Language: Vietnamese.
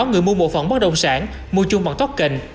người mua một phần bất động sản mua chung bằng token